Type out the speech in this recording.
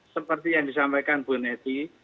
seperti yang disampaikan bu neti